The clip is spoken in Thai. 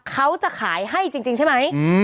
เขาจะขายให้จริงใช่ไหม